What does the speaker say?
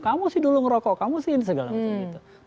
kamu sih dulu ngerokok kamu sih ini segala macam gitu